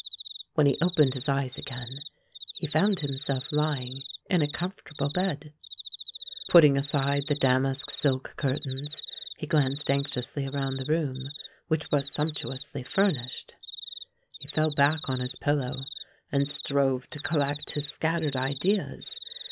When he opened his eyes again, he found himself lying in a comfortable bed. Putting aside the damask silk curtains, he glanced anxiously around the room, which was sumptuously furnished. He fell back on his pillow, and strove to collect his scattered ideas.